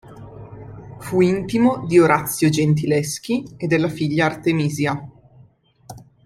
Fu intimo di Orazio Gentileschi e della figlia Artemisia.